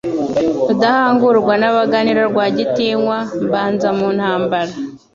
Rudahangurwa n'abaganira Rwagitinywa, mbanza mu ntambara,